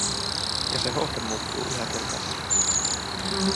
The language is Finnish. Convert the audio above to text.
Ja se hohde muuttuu yhä keltaisemmaksi.